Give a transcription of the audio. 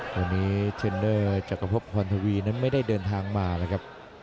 วันนี้เทรนเนอร์จักรพบพรทวีนั้นไม่ได้เดินทางมานะครับ